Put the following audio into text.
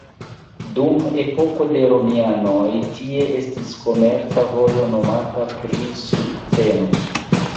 Dum epoko de romianoj tie estis komerca vojo nomata pri sukceno.